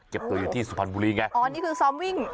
ตัวอยู่ที่สุพรรณบุรีไงอ๋อนี่คือซ้อมวิ่ง